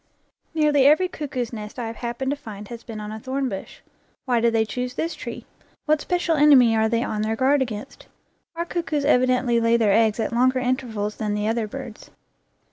Nearly every cuckoo's nest I have happened to find has been on a thorn bush. Why do they choose this tree? What special enemy are they on their guard against? Our cuckoos evidently lay their eggs at longer intervals than the other birds.